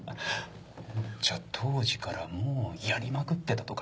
じゃあ当時からもうヤリまくってたとか？